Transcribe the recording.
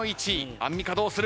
アンミカどうする？